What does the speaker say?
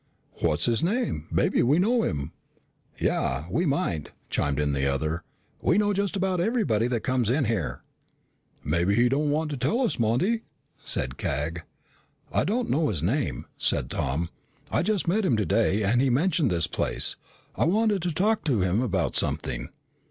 "What's his name? Maybe we know him." "Yeah, we might," chimed in the other. "We know just about everybody that comes in here." "Maybe he don't want to tell us, Monty," said Cag. "I don't know his name," said Tom. "I just met him today and he mentioned this place. I wanted to talk to him about something."